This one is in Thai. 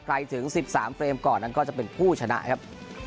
ถึง๑๓เฟรมก่อนนั้นก็จะเป็นผู้ชนะครับ